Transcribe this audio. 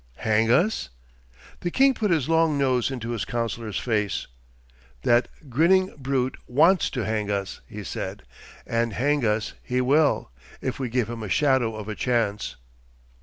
'Hang us?' The king put his long nose into his councillor's face. 'That grinning brute wants to hang us,' he said. 'And hang us he will, if we give him a shadow of a chance.